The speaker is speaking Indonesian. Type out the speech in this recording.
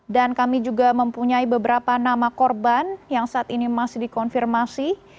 dan kami juga mempunyai beberapa nama korban yang saat ini masih dikonfirmasi